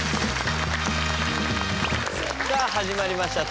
さあ始まりました